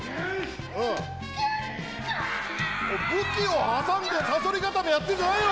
武器を挟んでサソリ固めやってんじゃないよ。